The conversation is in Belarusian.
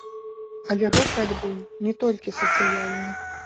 Але гэты альбом не толькі сацыяльны.